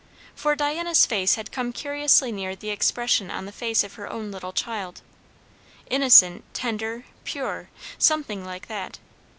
For Diana's face had come curiously near the expression on the face of her own little child. Innocent, tender, pure, something like that.